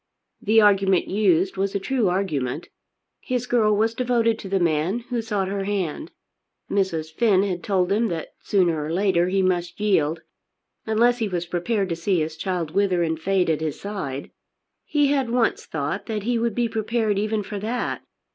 The argument used was a true argument. His girl was devoted to the man who sought her hand. Mrs. Finn had told him that sooner or later he must yield, unless he was prepared to see his child wither and fade at his side. He had once thought that he would be prepared even for that.